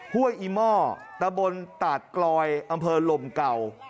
ห้วยอีหม้อตะบนตาดกลอยอำเภอลมเก่า